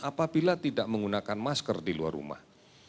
apabila tidak menggunakan masker di luar rumah